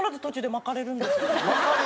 まかれる？